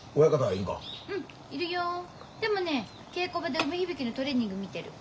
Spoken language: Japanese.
でもね稽古場で梅響のトレーニング見てる。